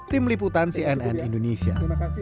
tim liputan cnn indonesia